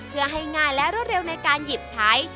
เพื่อให้ง่ายและรวดเร็วในการหยิบใช้